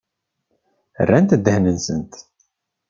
Rrant ddehn-nsent.